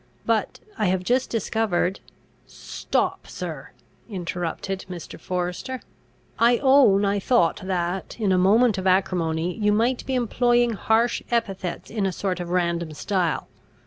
But I have just discovered " "Stop, sir!" interrupted Mr. Forester. "I own I thought that, in a moment of acrimony, you might be employing harsh epithets in a sort of random style.